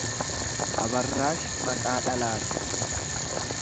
Abarraash maqaa dhalaati.